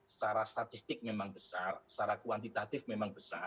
secara statistik memang besar secara kuantitatif memang besar